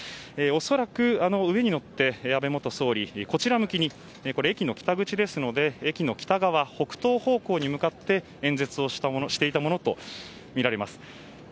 恐らくあの上に乗って安倍元総理はこちらは駅の北口ですので駅の北側、北東方向に向かって演説をしていたものとみられます。